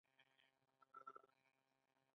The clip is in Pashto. ایا د شپې ساه مو بندیږي؟